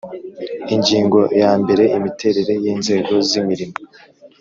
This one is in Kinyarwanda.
Ingingo ya mbere Imiterere y inzego z imirimo